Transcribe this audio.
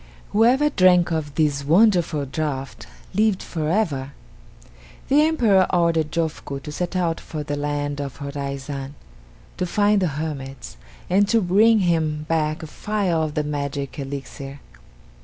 Whoever drank of this wonderful draught lived forever. The Emperor ordered Jofuku to set out for the land of Horaizan, to find the hermits, and to bring him back a phial of the magic elixir.